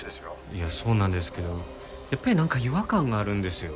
いやそうなんですけどやっぱりなんか違和感があるんですよ。